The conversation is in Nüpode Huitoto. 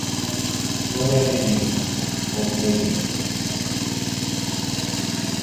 Oo raɨre riilla, o kue riilla